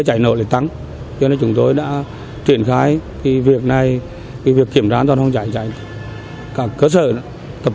cháy nội tăng cho nên chúng tôi đã triển khai việc này việc kiểm tra an toàn hoàng cháy cả cơ sở tập